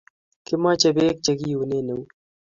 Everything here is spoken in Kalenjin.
Kimache peek che kiunen out